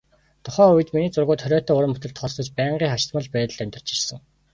Тухайн үед миний зургууд хориотой уран бүтээлд тооцогдож, байнгын хавчигдмал байдалд амьдарч ирсэн.